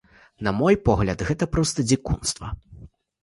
На мой погляд, гэта проста дзікунства.